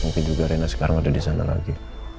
mungkin juga reina sekarang ada disana lagi